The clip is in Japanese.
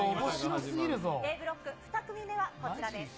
Ａブロック２組目はこちらです。